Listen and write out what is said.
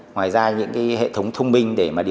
ngoài ra những hệ thống thông minh để đánh giá